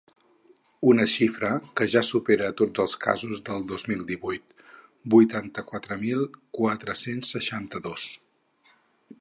Una xifra que ja supera a tots els casos del dos mil divuit: vuitanta-quatre mil quatre-cents seixanta-dos.